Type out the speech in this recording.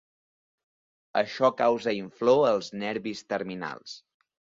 Això causa inflor als nervis terminals.